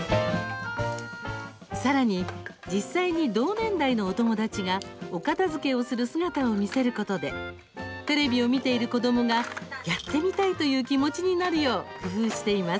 さらに実際に同年代のお友達がお片づけをする姿を見せることでテレビを見ている子どもがやってみたいという気持ちになるよう工夫しています。